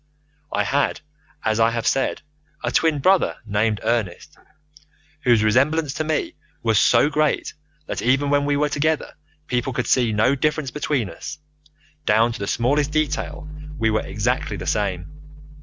"I had, as I have said, a twin brother named Ernest, whose resemblance to me was so great that even when we were together people could see no difference between us. Down to the smallest detail we were exactly the same.